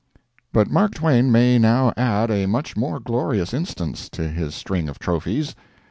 But Mark Twain may now add a much more glorious instance to his string of trophies.